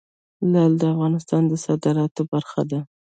لعل د افغانستان د صادراتو برخه ده.